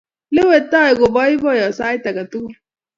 lewetoi kopaipoiyo sait ake tukul